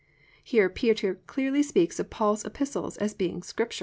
"+ Here Peter clearly speaks of Paul's epistles as being "Scripture."